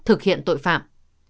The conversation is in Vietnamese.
thực hiện tội phạm